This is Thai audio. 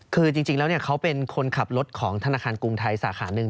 คือจริงแล้วเขาเป็นคนขับรถของธนาคารกรุงไทยสาขาหนึ่ง